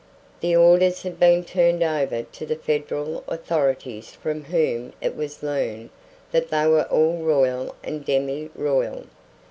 The orders had been turned over to the Federal authorities from whom it was learned that they were all royal and demi royal.